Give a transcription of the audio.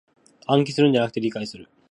暗記するんじゃなく理解する